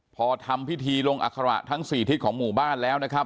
พอทำพิธีลงอัคระทั้ง๔ทิศของหมู่บ้านแล้วนะครับ